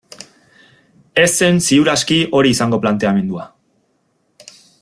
Ez zen, ziur aski, hori izango planteamendua.